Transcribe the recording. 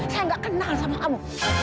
saya nggak kenal sama kamu